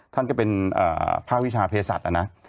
ท่านก็เป็นภาควิชาเพศัตว์นะ